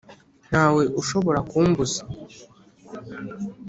ntawe ushobora kumbuza.